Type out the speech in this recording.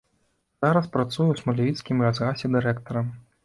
Зараз працуе ў смалявіцкім лясгасе дырэктарам.